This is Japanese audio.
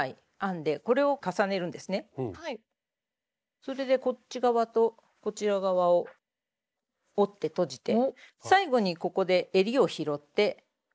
それでこっち側とこちら側を折ってとじて最後にここでえりを拾って終わりです。